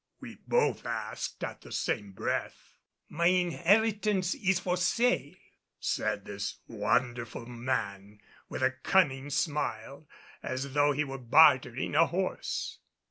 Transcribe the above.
we both asked in the same breath. "My inheritance is for sale," said this wonderful man with a cunning smile, as though he were bartering a horse.